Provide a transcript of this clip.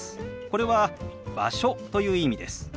これは「場所」という意味です。